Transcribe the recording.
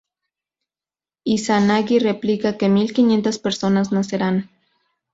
Izanagi replica que mil quinientas personas nacerán.